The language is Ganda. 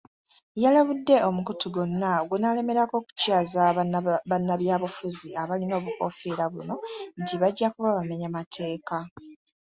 Yalabudde omukutu gwonna ogunaalemerako okukyaza bannabyabufuzi abalina obukoofiira buno nti bajja kuba bamenya mateeka.